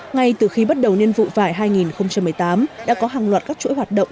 ngay từ khi bắt đầu niên vụ vải hai nghìn một mươi tám đã có hàng loạt các chuỗi hoạt động